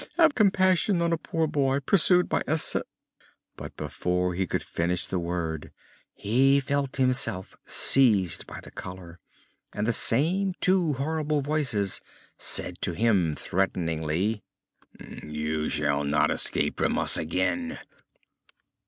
Have compassion on a poor boy pursued by assas " But he could not finish the word, for he felt himself seized by the collar and the same two horrible voices said to him threateningly: "You shall not escape from us again!"